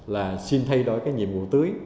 là xin thay đổi cái nhiệm vụ tưới